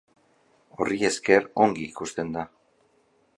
Horri esker, ongi ikusten da.